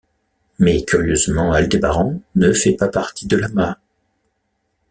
Mais curieusement Aldébaran ne fait pas partie de l'amas.